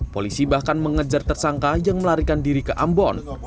polisi bahkan mengejar tersangka yang melarikan diri ke ambon